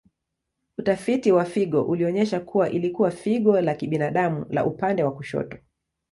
Utafiti wa figo ulionyesha kuwa ilikuwa figo la kibinadamu la upande wa kushoto.